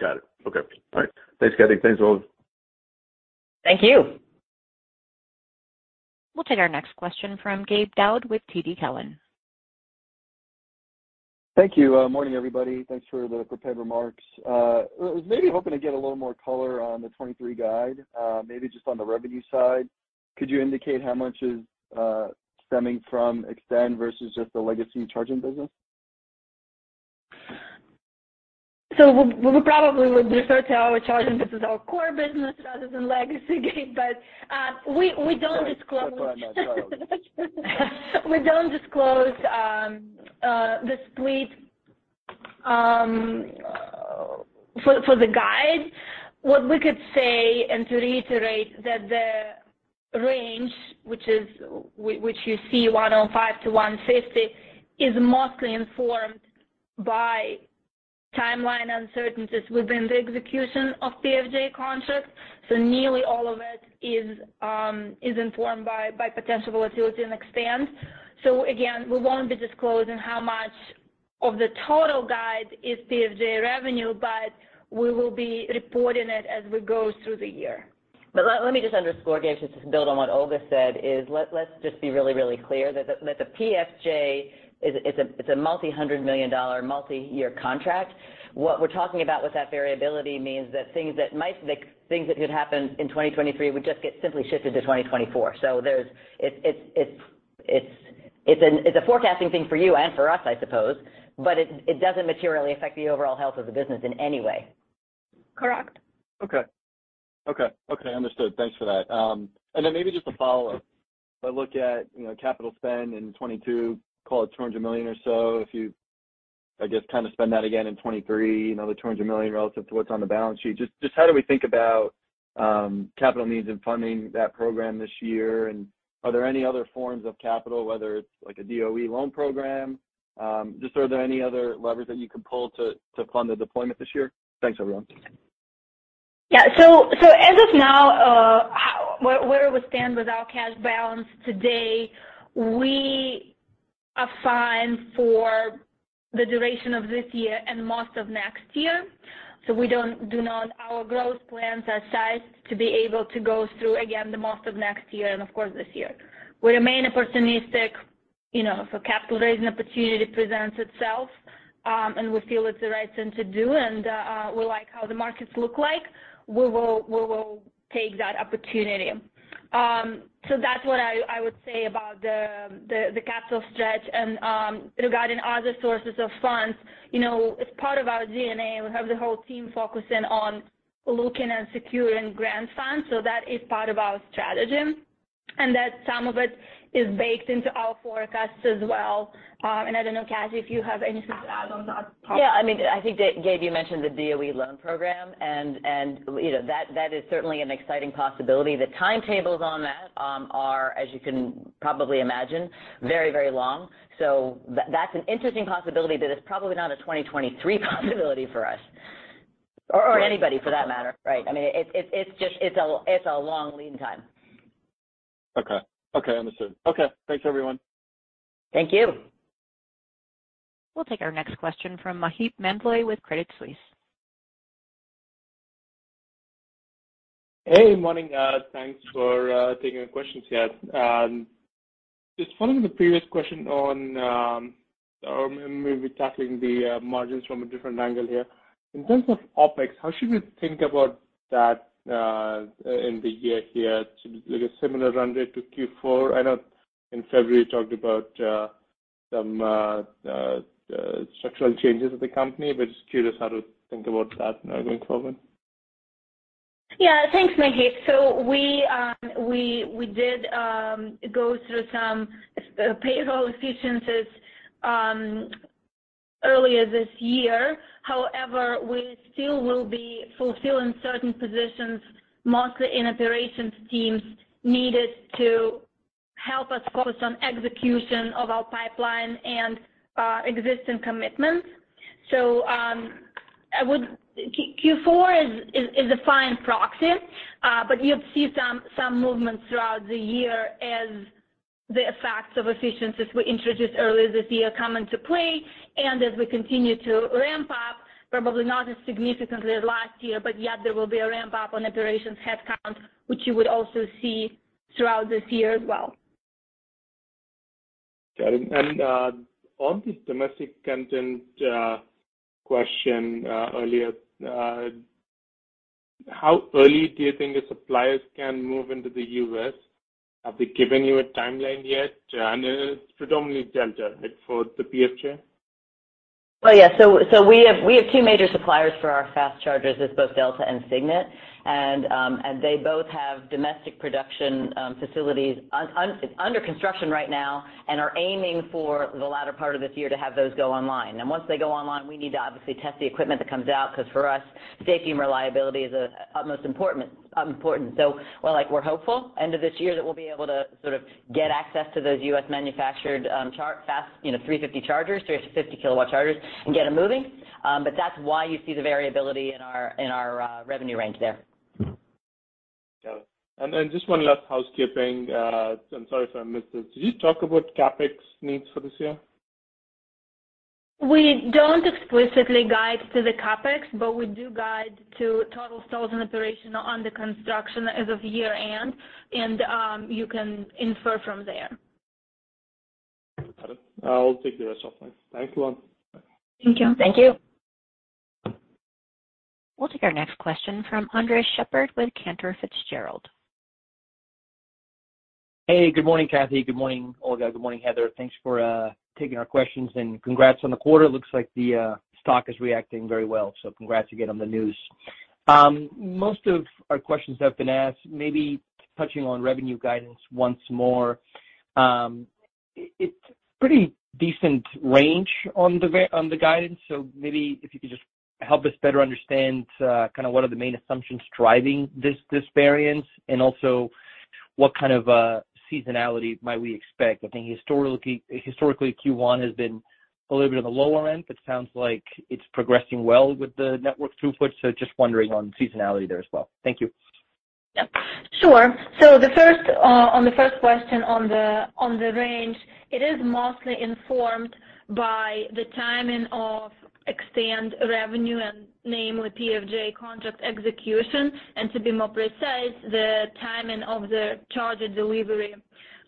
Got it. Okay. All right. Thanks, Cathy. Thanks, Olga. Thank you. We'll take our next question from Gabe Daoud with TD Cowen. Thank you. Morning, everybody. Thanks for the prepared remarks. I was maybe hoping to get a little more color on the 2023 guide, maybe just on the revenue side. Could you indicate how much is stemming from eXtend versus just the legacy charging business? We probably would refer to our charging business as our core business rather than legacy, Gabe. We don't disclose. Sorry. My bad. Sorry. We don't disclose the split for the guide. What we could say, and to reiterate that the range, which you see 105 to 150, is mostly informed by timeline uncertainties within the execution of PFJ contracts. Nearly all of it is informed by potential volatility in eXtend. Again, we won't be disclosing how much of the total guide is PFJ revenue, but we will be reporting it as we go through the year. Let me just underscore, Gabe, just to build on what Olga said is, let's just be really, really clear that the PFJ is, it's a multi-hundred million dollar multi-year contract. What we're talking about with that variability means that things that could happen in 2023 would just get simply shifted to 2024. it's an-- it's a forecasting thing for you and for us, I suppose, but it doesn't materially affect the overall health of the business in any way. Correct. Okay. Okay. Okay. Understood. Thanks for that. Then maybe just a follow-up. If I look at, you know, capital spend in 2022, call it $200 million or so, if you, I guess, kind of spend that again in 2023, you know, the $200 million relative to what's on the balance sheet. Just how do we think about, capital needs in funding that program this year? Are there any other forms of capital, whether it's like a DOE loan program? Just are there any other levers that you can pull to fund the deployment this year? Thanks, everyone. Yeah. As of now, where we stand with our cash balance today, we are fine for the duration of this year and most of next year. We do not. Our growth plans are sized to be able to go through again the most of next year and of course this year. We remain opportunistic, you know, if a capital raising opportunity presents itself, and we feel it's the right thing to do and we like how the markets look like, we will take that opportunity. That's what I would say about the capital stretch. Regarding other sources of funds, you know, it's part of our DNA. We have the whole team focusing on looking and securing grant funds, that is part of our strategy. That some of it is baked into our forecast as well. I don't know, Cathy, if you have anything to add on that topic. I mean, I think, Gabe, you mentioned the DOE loan program and, you know, that is certainly an exciting possibility. The timetables on that are, as you can probably imagine, very, very long. That's an interesting possibility, but it's probably not a 2023 possibility for us or anybody for that matter, right? I mean, it's a long lead time. Okay. Okay, understood. Okay, thanks everyone. Thank you. We'll take our next question from Maheep Mandloi with Credit Suisse. Hey, morning. Thanks for taking the questions here. Just following the previous question on maybe tackling the margins from a different angle here. In terms of OpEx, how should we think about that in the year here? Should be like a similar run rate to Q4? I know in February you talked about some structural changes at the company, but just curious how to think about that now going forward. Thanks, Maheep. we did go through some payroll efficiencies earlier this year. However, we still will be fulfilling certain positions, mostly in operations teams, needed to help us focus on execution of our pipeline and existing commitments. Q4 is a fine proxy, but you'll see some movement throughout the year as the effects of efficiencies we introduced earlier this year come into play. as we continue to ramp up, probably not as significantly as last year, but yet there will be a ramp up on operations headcount, which you would also see throughout this year as well. Got it. On this domestic content question earlier, how early do you think the suppliers can move into the U.S.? Have they given you a timeline yet? It's predominantly Delta, like, for the PFJ. Oh, yeah. We have two major suppliers for our fast chargers. It's both Delta and Signet. They both have domestic production facilities under construction right now and are aiming for the latter part of this year to have those go online. Once they go online, we need to obviously test the equipment that comes out, because for us, safety and reliability is utmost important. While, like, we're hopeful end of this year that we'll be able to sort of get access to those U.S. manufactured fast, you know, 350 chargers, 350 kilowatt chargers and get them moving. That's why you see the variability in our, in our revenue range there. Got it. Just one last housekeeping. I'm sorry if I missed this. Did you talk about CapEx needs for this year? We don't explicitly guide to the CapEx. We do guide to total stores and operation under construction as of year-end. You can infer from there. Got it. I'll take the rest offline. Thanks a lot. Thank you. Thank you. We'll take our next question from Andres Sheppard with Cantor Fitzgerald. Hey, good morning, Cathy. Good morning, Olga. Good morning, Heather. Thanks for taking our questions and congrats on the quarter. Looks like the stock is reacting very well, so congrats again on the news. Most of our questions have been asked. Maybe touching on revenue guidance once more. It's pretty decent range on the guidance, so maybe if you could just help us better understand, kinda what are the main assumptions driving this variance, and also what kind of seasonality might we expect? I think historically, Q1 has been a little bit on the lower end, but sounds like it's progressing well with the network throughput. Just wondering on seasonality there as well. Thank you. Sure. The first question on the range, it is mostly informed by the timing of eXtend revenue and namely PFJ contract execution. To be more precise, the timing of the charger delivery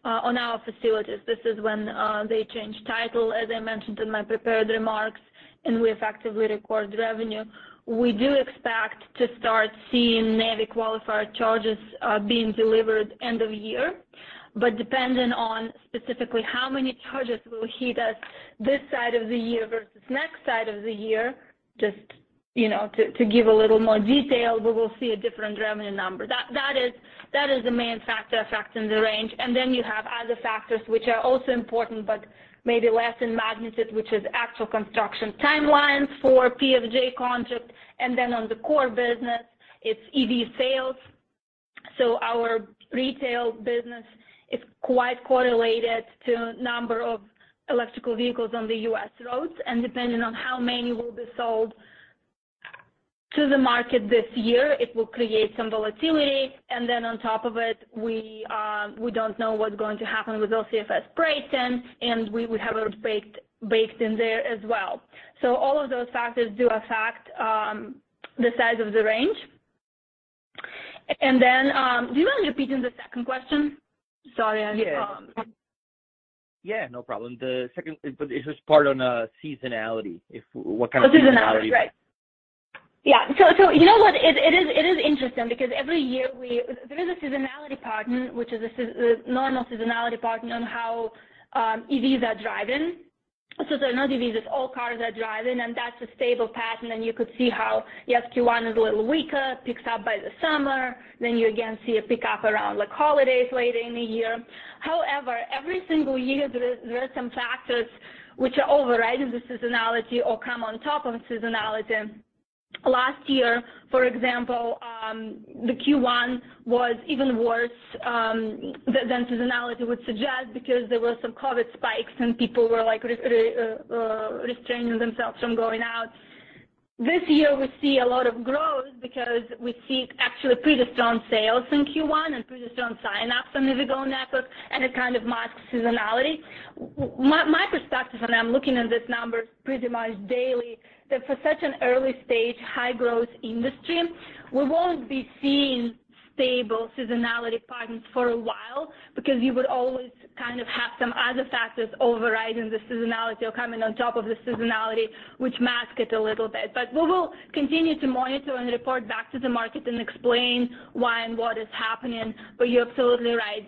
on our facilities. This is when they change title, as I mentioned in my prepared remarks, and we effectively record revenue. We do expect to start seeing NEVI qualifier charges being delivered end of year. Depending on specifically how many charges will hit us this side of the year versus next side of the year, just, you know, to give a little more detail, we will see a different revenue number. That is the main factor affecting the range. Then you have other factors which are also important but maybe less in magnitude, which is actual construction timelines for PFJ contract. Then on the core business, it's EV sales. Our retail business is quite correlated to number of electric vehicles on the U.S. roads. Depending on how many will be sold to the market this year, it will create some volatility. Then on top of it, we don't know what's going to happen with LCFS pricing, and we would have it baked in there as well. All of those factors do affect the size of the range. Then, do you mind repeating the second question? Sorry. Yeah. Yeah, no problem. It's just part on seasonality. If what kind of seasonality? Seasonality. Right. Yeah. You know what? It is interesting because every year There is a seasonality pattern, which is a normal seasonality pattern on how EVs are driving. They're not EVs, it's all cars are driving, and that's a stable pattern. You could see how, yes, Q1 is a little weaker, picks up by the summer, then you again see a pickup around, like, holidays late in the year. However, every single year there are some factors which are overriding the seasonality or come on top of seasonality. Last year, for example, the Q1 was even worse than seasonality would suggest because there were some COVID spikes and people were, like, restraining themselves from going out. This year, we see a lot of growth because we see actually pre-delayed sales in Q1 and pre-delayed sign-ups on the EVgo network, and it kind of marks seasonality. My perspective, and I'm looking at these numbers pretty much daily, that for such an early stage high growth industry, we won't be seeing stable seasonality patterns for a while because you would always kind of have some other factors overriding the seasonality or coming on top of the seasonality, which mask it a little bit. We will continue to monitor and report back to the market and explain why and what is happening. You're absolutely right.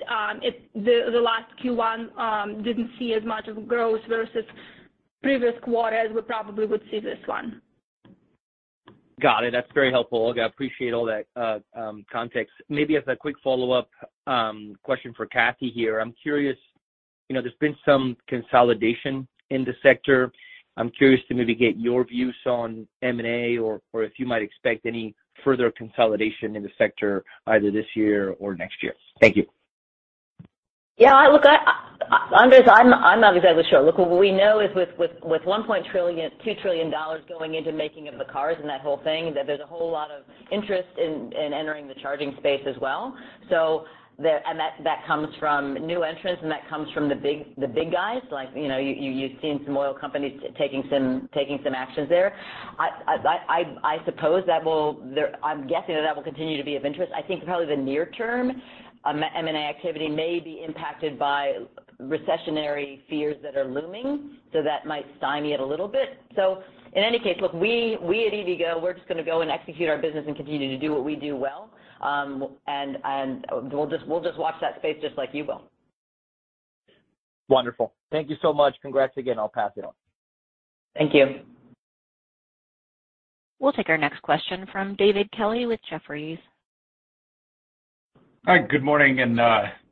The last Q1 didn't see as much of growth versus previous quarters we probably would see this one. Got it. That's very helpful, Olga. I appreciate all that, context. Maybe as a quick follow-up, question for Cathy here. I'm curious, you know, there's been some consolidation in the sector. I'm curious to maybe get your views on M&A or if you might expect any further consolidation in the sector either this year or next year. Thank you. Andres, I'm obviously not sure. What we know is with $1.2 trillion going into making of the cars and that whole thing, there's a whole lot of interest in entering the charging space as well. That comes from new entrants, and that comes from the big guys. Like, you know, you've seen some oil companies taking some actions there. I suppose that will continue to be of interest. I think probably the near term M&A activity may be impacted by recessionary fears that are looming, that might stymie it a little bit. We at EVgo, we're just gonna go and execute our business and continue to do what we do well. We'll just watch that space just like you will. Wonderful. Thank you so much. Congrats again. I'll pass it on. Thank you. We'll take our next question from David Kelley with Jefferies. Hi, good morning, and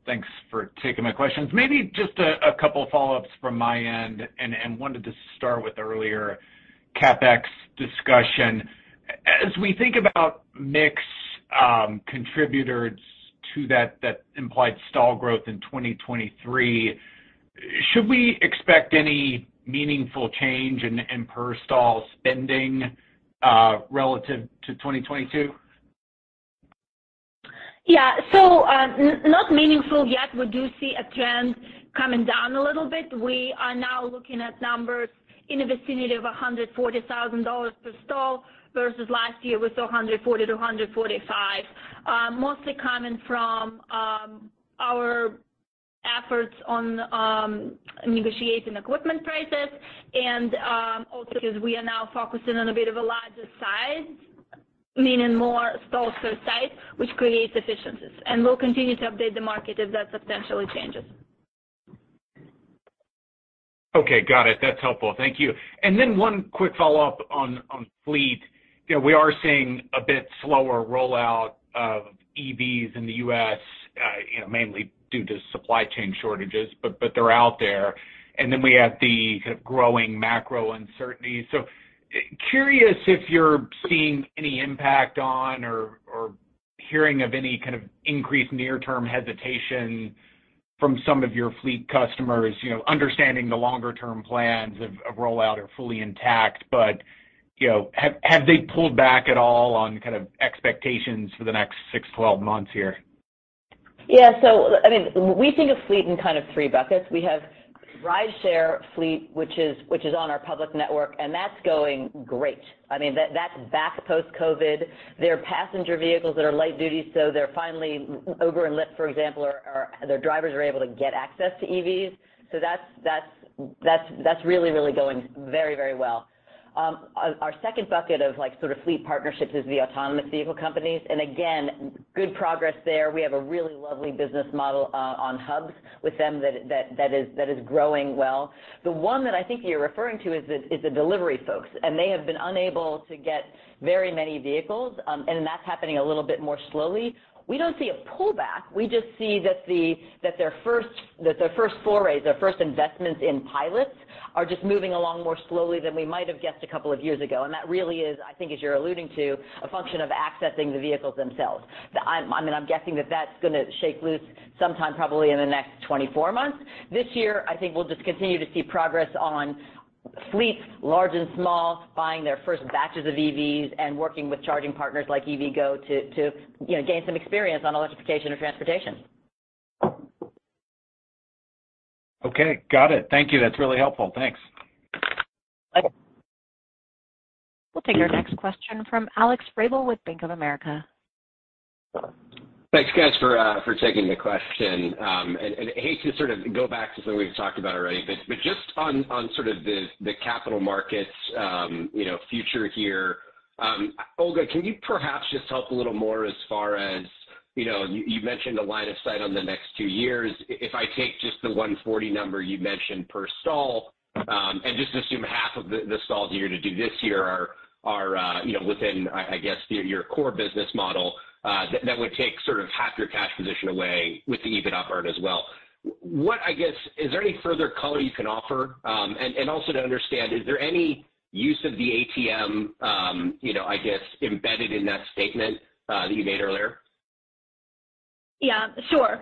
thanks for taking my questions. Maybe just a couple of follow-ups from my end and wanted to start with the earlier CapEx discussion. As we think about mix, contributors to that implied stall growth in 2023, should we expect any meaningful change in per-stall spending, relative to 2022? Yeah. Not meaningful yet. We do see a trend coming down a little bit. We are now looking at numbers in the vicinity of $140,000 per stall versus last year with $140,000-$145,000, mostly coming from our efforts on negotiating equipment prices and also because we are now focusing on a bit of a larger size, meaning more stalls per site, which creates efficiencies. We'll continue to update the market if that substantially changes. Okay. Got it. That's helpful. Thank you. One quick follow-up on fleet. You know, we are seeing a bit slower rollout of EVs in the U.S., you know, mainly due to supply chain shortages, but they're out there. We have the growing macro uncertainty. Curious if you're seeing any impact on or hearing of any kind of increased near-term hesitation from some of your fleet customers, you know, understanding the longer term plans of rollout are fully intact. You know, have they pulled back at all on kind of expectations for the next 6-12 months here? I mean, we think of fleet in kind of three buckets. We have rideshare fleet, which is on our public network, and that's going great. I mean, that's back post-COVID. They're passenger vehicles that are light duty, so they're finally Uber and Lyft, for example, their drivers are able to get access to EVs. That's really, really going very, very well. Our second bucket of, like, sort of fleet partnerships is the autonomous vehicle companies. Again, good progress there. We have a really lovely business model on hubs with them that is growing well. The one that I think you're referring to is the delivery folks, and they have been unable to get very many vehicles, and that's happening a little bit more slowly. We don't see a pullback. We just see that their first forays, their first investments in pilots are just moving along more slowly than we might have guessed a couple of years ago. That really is, I mean, I think as you're alluding to, a function of accessing the vehicles themselves. I'm guessing that that's gonna shake loose sometime probably in the next 24 months. This year, I think we'll just continue to see progress on fleets, large and small, buying their first batches of EVs and working with charging partners like EVgo to, you know, gain some experience on electrification of transportation. Okay. Got it. Thank you. That's really helpful. Thanks. Bye. We'll take our next question from Alex Vrabel with Bank of America. Thanks, guys, for taking the question. Hate to sort of go back to something we've talked about already, but just on sort of the capital markets, you know, future here, Olga, can you perhaps just help a little more as far as, you know, you mentioned a line of sight on the next two years. If I take just the 140 number you mentioned per stall, and just assume half of the stalls you're gonna do this year are, you know, within, I guess your core business model, that would take sort of half your cash position away with the EBITDA part as well. Is there any further color you can offer? Also to understand, is there any use of the ATM, you know, I guess, embedded in that statement, that you made earlier? Sure.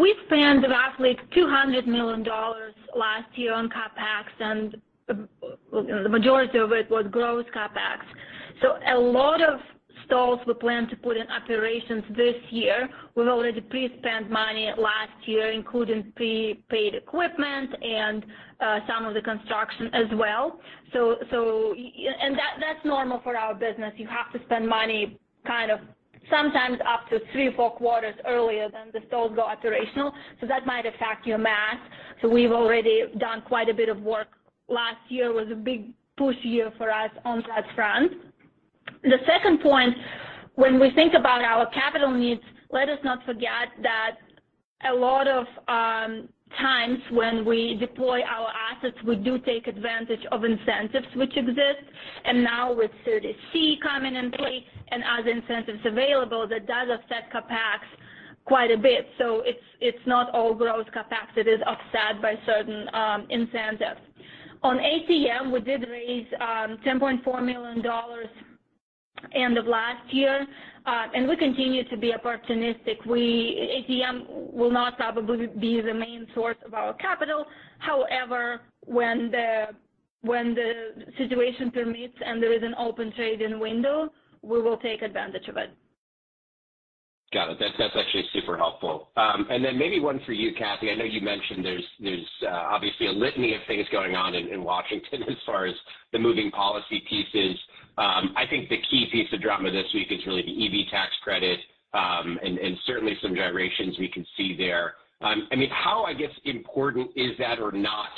We spent roughly $200 million last year on CapEx. Well, you know, the majority of it was gross CapEx. A lot of stalls we plan to put in operations this year, we've already pre-spent money last year, including pre-paid equipment and some of the construction as well. That's normal for our business. You have to spend money kind of sometimes up to three, four quarters earlier than the stalls go operational. That might affect your math. We've already done quite a bit of work. Last year was a big push year for us on that front. The second point, when we think about our capital needs, let us not forget that a lot of times when we deploy our assets, we do take advantage of incentives which exist. Now with 30C coming in play and other incentives available, that does affect CapEx quite a bit. It's not all gross CapEx, it is offset by certain incentives. On ATM, we did raise $10.4 million end of last year, we continue to be opportunistic. ATM will not probably be the main source of our capital. However, when the situation permits and there is an open trading window, we will take advantage of it. Got it. That's actually super helpful. Then maybe one for you, Cathy. I know you mentioned there's obviously a litany of things going on in Washington as far as the moving policy pieces. I think the key piece of drama this week is really the EV tax credit, and certainly some gyrations we can see there. I mean, how, I guess, important is that or not,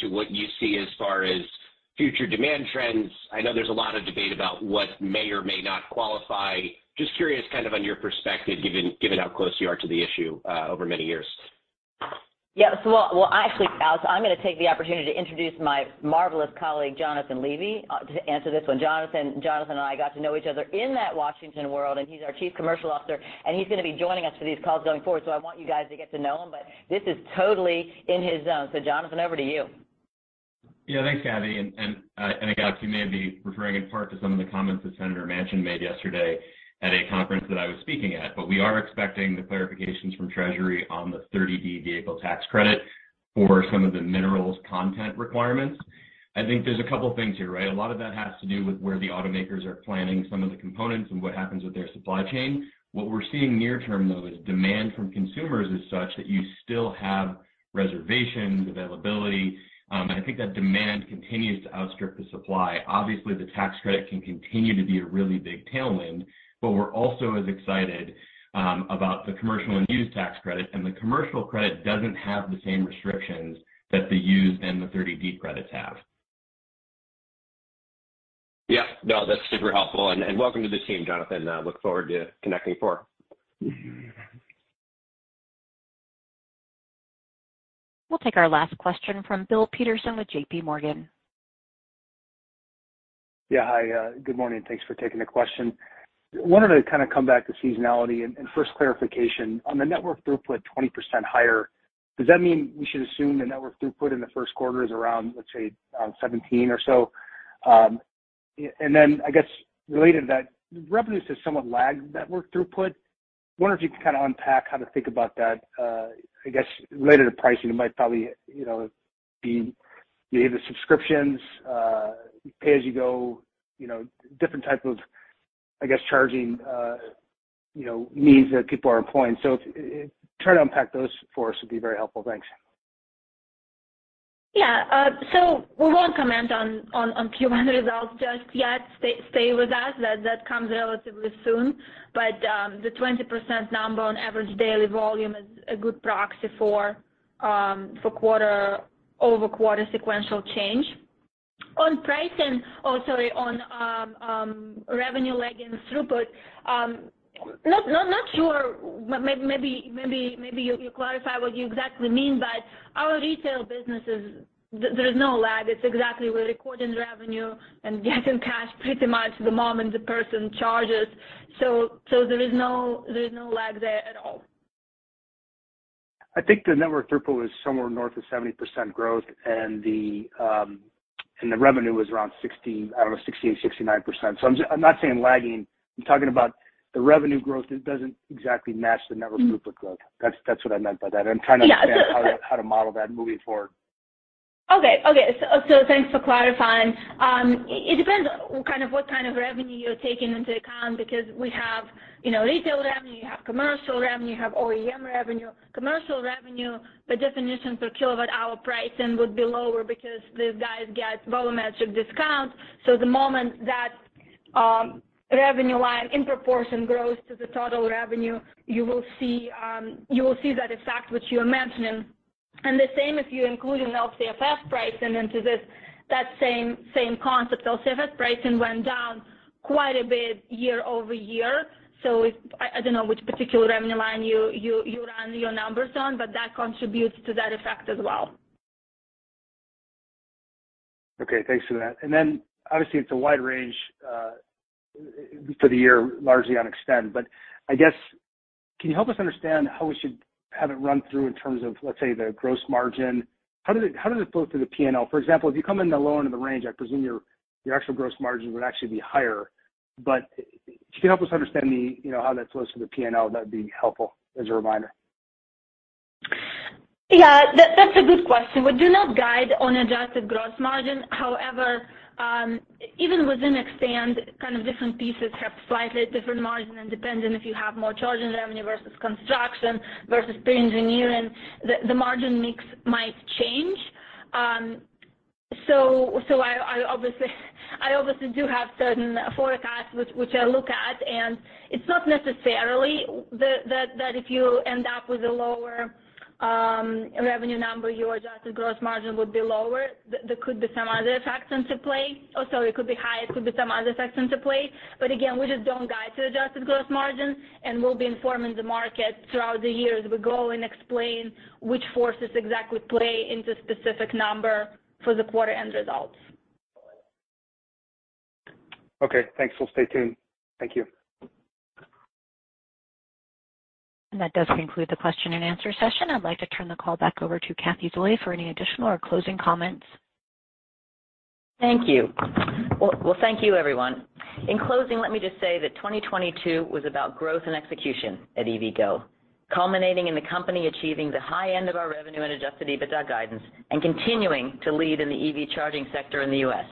to what you see as far as future demand trends? I know there's a lot of debate about what may or may not qualify. Just curious, kind of on your perspective, given how close you are to the issue over many years. Yeah. well actually, Alex, I'm gonna take the opportunity to introduce my marvelous colleague, Jonathan Levy, to answer this one. Jonathan and I got to know each other in that Washington world, and he's our chief commercial officer, and he's gonna be joining us for these calls going forward. I want you guys to get to know him, but this is totally in his zone. Jonathan, over to you. Yeah, thanks, Cathy. Alex, you may be referring in part to some of the comments that Senator Manchin made yesterday at a conference that I was speaking at. We are expecting the clarifications from Treasury on the 30D vehicle tax credit for some of the minerals content requirements. I think there's a couple things here, right? A lot of that has to do with where the automakers are planning some of the components and what happens with their supply chain. What we're seeing near term, though, is demand from consumers is such that you still have reservations, availability. And I think that demand continues to outstrip the supply. Obviously, the tax credit can continue to be a really big tailwind, but we're also as excited about the commercial and used tax credit. The commercial credit doesn't have the same restrictions that the used and the 30D credits have. Yeah. No, that's super helpful. Welcome to the team, Jonathan. I look forward to connecting more. Mm-hmm. We'll take our last question from Bill Peterson with J.P. Morgan. Yeah. Hi, good morning. Thanks for taking the question. Wanted to kind of come back to seasonality and first clarification. On the network throughput, 20% higher, does that mean we should assume the network throughput in the first quarter is around, let's say, 17 or so? I guess related to that, revenues have somewhat lagged network throughput. Wonder if you can kind of unpack how to think about that, I guess related to pricing, it might probably, you know, be either subscriptions, pay-as-you-go, you know, different type of, I guess, charging, you know, means that people are employing. Try to unpack those for us would be very helpful. Thanks. Yeah. We won't comment on Q1 results just yet. Stay with us. That comes relatively soon. The 20% number on average daily volume is a good proxy for quarter-over-quarter sequential change. On pricing, sorry, on revenue lag and throughput, not sure. Maybe you clarify what you exactly mean, there's no lag. It's exactly we're recording the revenue and getting cash pretty much the moment the person charges. There's no lag there at all. I think the network throughput is somewhere north of 70% growth and the, and the revenue was around 60, I don't know, 68%, 69%. I'm not saying lagging. I'm talking about the revenue growth, it doesn't exactly match the network throughput growth. That's what I meant by that. I'm trying to understand- Yeah. how to model that moving forward. Okay. Okay. Thanks for clarifying. It depends kind of what kind of revenue you're taking into account because we have, you know, retail revenue, you have commercial revenue, you have OEM revenue. Commercial revenue, by definition, per kilowatt hour pricing would be lower because these guys get volumetric discounts. The moment that revenue line in proportion grows to the total revenue, you will see that effect which you're mentioning. The same if you include an LCFS pricing into this, that same concept. LCFS pricing went down quite a bit year-over-year. I don't know which particular revenue line you run your numbers on, but that contributes to that effect as well. Okay, thanks for that. Obviously it's a wide range for the year, largely on eXtend. I guess can you help us understand how we should have it run through in terms of, let's say, the gross margin. How did it flow through the P&L? For example, if you come in the lower end of the range, I presume your actual gross margin would actually be higher. If you can help us understand, you know, how that flows to the P&L, that'd be helpful as a reminder. Yeah. That's a good question. We do not guide on adjusted gross margin. However, even within eXtend, kind of different pieces have slightly different margin, and dependent if you have more charging revenue versus construction versus pre-engineering, the margin mix might change. So I obviously do have certain forecasts which I look at, and it's not necessarily that if you end up with a lower revenue number, your adjusted gross margin would be lower. There could be some other factors in play. Or sorry, it could be high, it could be some other factors in play. Again, we just don't guide to adjusted gross margin, and we'll be informing the market throughout the year as we go and explain which forces exactly play into specific number for the quarter end results. Okay, thanks. We'll stay tuned. Thank you. That does conclude the question and answer session. I'd like to turn the call back over to Cathy Zoi for any additional or closing comments. Thank you. Well, thank you, everyone. In closing, let me just say that 2022 was about growth and execution at EVgo, culminating in the company achieving the high end of our revenue and adjusted EBITDA guidance and continuing to lead in the EV charging sector in the U.S.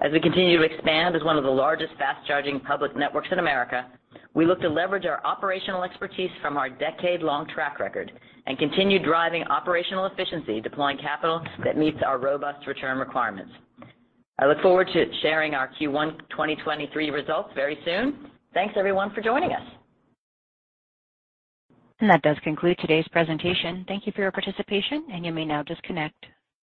As we continue to expand as one of the largest fast charging public networks in America, we look to leverage our operational expertise from our decade-long track record and continue driving operational efficiency, deploying capital that meets our robust return requirements. I look forward to sharing our Q1 2023 results very soon. Thanks everyone for joining us. That does conclude today's presentation. Thank you for your participation, and you may now disconnect.